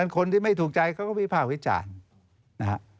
คนที่ไม่ถูกใจเขาก็วิภาควิจารณ์นะฮะ